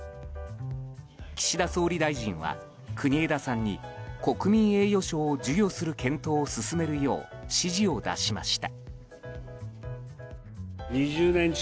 岸田総理大臣は、国枝さんに国民栄誉賞を授与する検討を進めるよう指示を出しました。